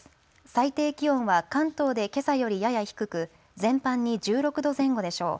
最低気温は関東でけさよりやや低く全般に１６度前後でしょう。